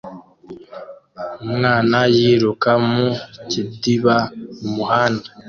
Umwana yiruka mu kidiba mumuhanda